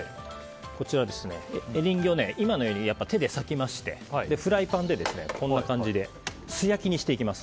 今のエリンギを手で裂きましてフライパンでこんな感じで素焼きにしていきます。